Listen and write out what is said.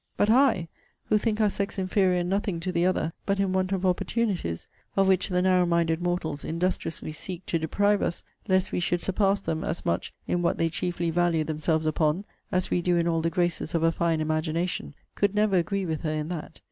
But I, who think our sex inferior in nothing to the other, but in want of opportunities, of which the narrow minded mortals industriously seek to deprive us, lest we should surpass them as much in what they chiefly value themselves upon, as we do in all the graces of a fine imagination, could never agree with her in that.